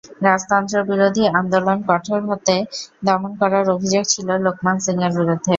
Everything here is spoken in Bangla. রাজতন্ত্রবিরোধী আন্দোলন কঠোর হাতে দমন করার অভিযোগ ছিল লোকমান সিংয়ের বিরুদ্ধে।